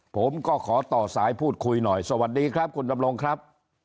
ผมก็ขอต่อสายพูดคุยหน่อยสวัสดีครับคุณดำรงครับ